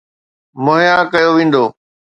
مهيا ڪيو ويندو.